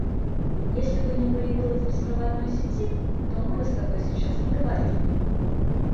Если бы не появилось беспроводной сети, то мы бы с тобой сейчас не говорили.